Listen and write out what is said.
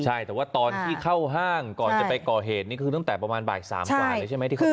ใช่แต่ว่าตอนที่เข้าห้างก่อนจะไปก่อเหตุนี้คือตั้งแต่ประมาณบ่าย๓กว่าเลยใช่ไหมที่เขาเจอ